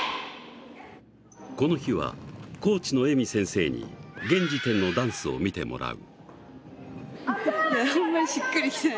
この日はコーチのＥＭＩ先生に現時点のダンスを見てもらう。